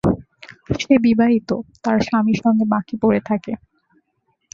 সে বিবাহিত, তাহার স্বামীর সঙ্গে বাঁকিপুরে থাকে।